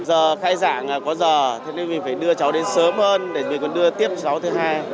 giờ khai giảng có giờ thế nên mình phải đưa cháu đến sớm hơn để mình còn đưa tiếp cháu thứ hai